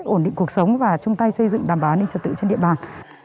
ổn định cuộc sống và chung tay xây dựng đảm bảo an ninh trật tự trên địa bàn